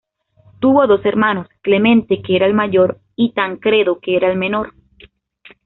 Tuvo dos hermanos: Clemente que era el mayor y Tancredo que era el menor.